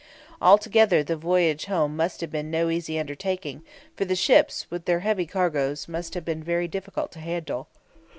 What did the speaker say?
Altogether the voyage home must have been no easy undertaking, for the ships, with their heavy cargoes, must have been very difficult to handle.